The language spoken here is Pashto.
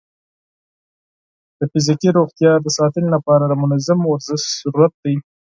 د فزیکي روغتیا د ساتنې لپاره د منظم ورزش ضرورت دی.